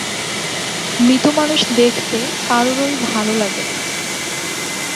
মৃত মানুষ দেখতে কারোরই ভালো লাগে না।